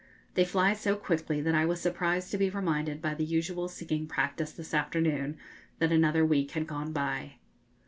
They fly so quickly that I was surprised to be reminded by the usual singing practice this afternoon that another week had gone by.